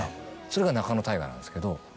それが仲野太賀なんですけど。